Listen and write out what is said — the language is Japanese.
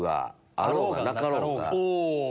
あろうがなかろうが。